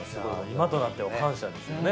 今となっては感謝ですよね。